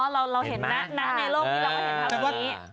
อ๋อเราเห็นในโลกที่เราเห็นแบบนี้